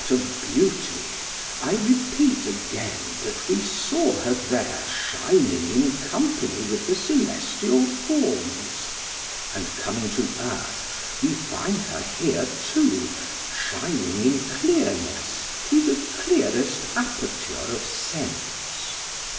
But of beauty, I repeat again that we saw her there shining in company with the celestial forms; and coming to earth we find her here too, shining in clearness through the clearest aperture of sense.